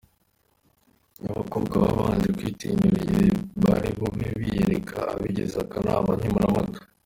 Abakobwa babanje kwitinyura igihe bari bube biyereka abagize akanama nkemurampaka.